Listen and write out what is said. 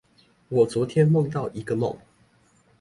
我昨天夢到一個夢